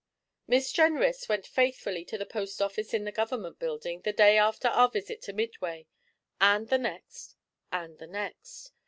Miss Jenrys went faithfully to the post office in the Government Building the day after our visit to Midway, and the next, and the next.